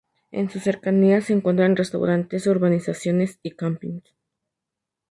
En sus cercanías se encuentran restaurantes, urbanizaciones y campings.